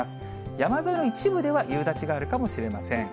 山沿いの一部では夕立があるかもしれません。